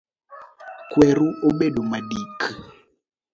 Kweru obedo madik